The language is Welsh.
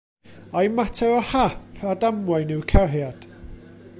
Ai mater o hap a damwain yw cariad?